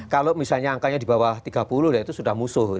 kalau misalnya angkanya di bawah tiga puluh ya itu sudah musuh